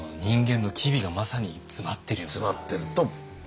詰まってると思う。